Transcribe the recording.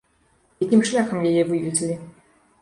Якім шляхам яе вывезлі?